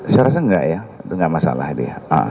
saya rasa tidak ya itu tidak masalah ya